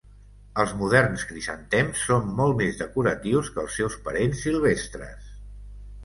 Els moderns crisantems són molt més decoratius que els seus parents silvestres.